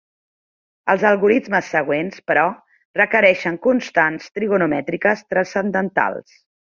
Els algoritmes següents, però, requereixen constants trigonomètriques transcendentals.